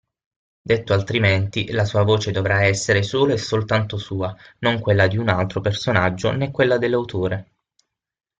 Detto altrimenti, la sua voce dovrà essere solo e soltanto sua, non quella di un un altro personaggio né quella dell'autore.